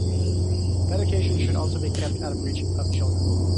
The medication should also be kept out of reach of children.